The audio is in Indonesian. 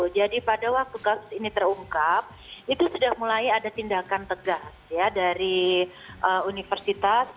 jadi pada waktu kasus ini terungkap itu sudah mulai ada tindakan tegas ya dari universitas